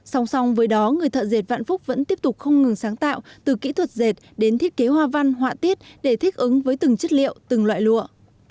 song song với đó người thợ dệt vạn phúc vẫn tiếp tục không ngừng sáng tạo từ kỹ thuật dệt đến thiết kế hoa văn họa tiết để thích ứng với từng chất liệu từng loại lụa